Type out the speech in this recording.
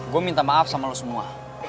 gua minta maaf sama lu semua